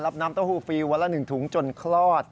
น้ำเต้าหู้ฟรีวันละ๑ถุงจนคลอด